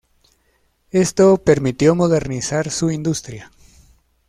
Esto permitió modernizar su industria.